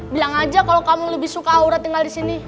bilang aja kalau kamu lebih suka aura tinggal di sini